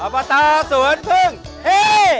อวตาสวนพึ่งเอ๊